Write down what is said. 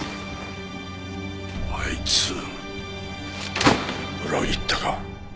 あいつ裏切ったか。